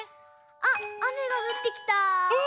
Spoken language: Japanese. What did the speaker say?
あっあめがふってきた。